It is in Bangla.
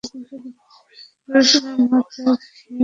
ভেবেছিলাম মদ খেয়ে মাথা ঘুরছে।